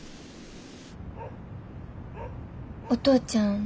お父ちゃん